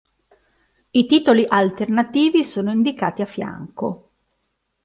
I titoli alternativi sono indicati a fianco.